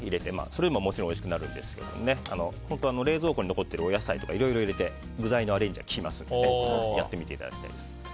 それでも、もちろんおいしくなるんですけどね冷蔵庫に残っているお野菜とか具材のアレンジが利きますのでやってみていただいて。